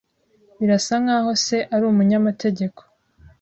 Birasa nkaho se ari umunyamategeko.